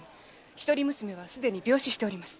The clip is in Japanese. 一人娘はすでに病死してます。